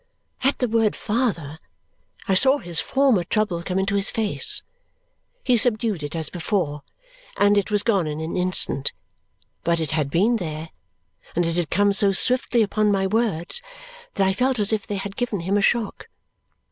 At the word father, I saw his former trouble come into his face. He subdued it as before, and it was gone in an instant; but it had been there and it had come so swiftly upon my words that I felt as if they had given him a shock.